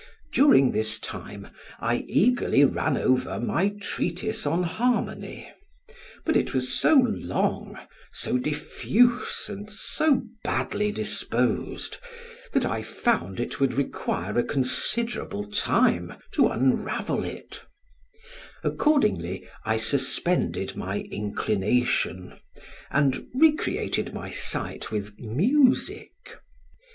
During this time I eagerly ran over my Treatise on Harmony, but it was so long, so diffuse, and so badly disposed, that I found it would require a considerable time to unravel it: accordingly I suspended my inclination, and recreated my sight with music.